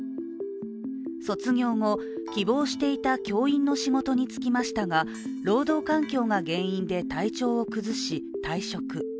卒業後、希望していた教員の仕事に就きましたが、労働環境が原因で体調を崩し、退職。